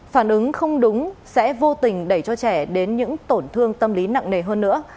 phản ứng không đúng sẽ vô tình đẩy cho trẻ đến những tổn thương tâm lý nặng nề hơn nữa